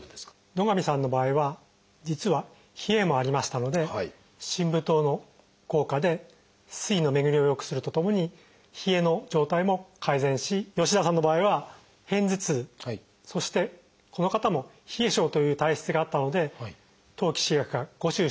野上さんの場合は実は冷えもありましたので真武湯の効果で「水」の巡りをよくするとともに冷えの状態も改善し吉田さんの場合は片頭痛そしてこの方も冷え症という体質があったので当帰四逆加呉茱萸